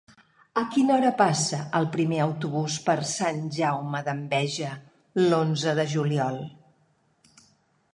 A quina hora passa el primer autobús per Sant Jaume d'Enveja l'onze de juliol?